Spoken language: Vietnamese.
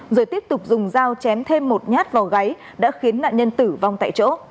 rồi tiếp tục dùng dao chém thêm một nhát vào gáy đã khiến nạn nhân tử vong tại chỗ